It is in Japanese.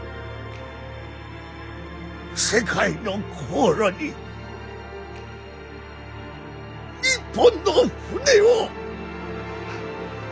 世界の航路に日本の船を。